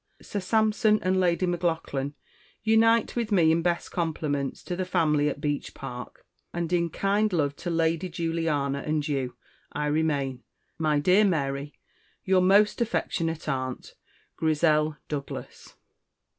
Sir Sampson and Lady M'Laughlan unite with Me in Best compliments to the Family at Beech Park. And, in kind love to Lady Juliana and you, I remain, My dear Mary, your most affectionate Aunt, GRIZZEL DOUGLAS.